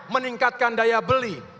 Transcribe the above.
meningkatkan daya beli